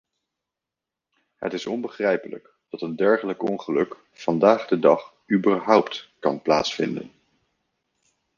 Het is onbegrijpelijk dat een dergelijk ongeluk vandaag de dag überhaupt kan plaatsvinden.